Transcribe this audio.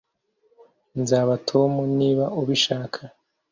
Nzabaza Tom niba ubishaka